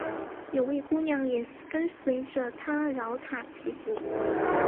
有位姑娘也跟随着他饶塔祈福。